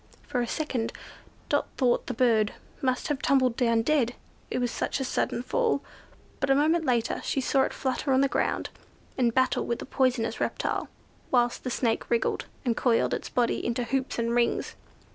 For a second, Dot thought the bird must have tumbled down dead, it was such a sudden fall; but a moment later she saw it flutter on the ground, in battle with the poisonous reptile, whilst the Snake wriggled, and coiled its body into hoops and rings.